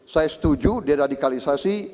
saya setuju diradikalisasi